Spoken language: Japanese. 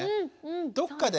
どっかでね？